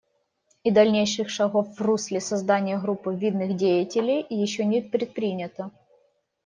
И дальнейших шагов в русле создания группы видных деятелей еще не предпринято.